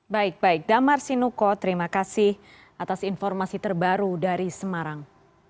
baik baik damar sinuko terima kasih atas informasi terbaru dari semarang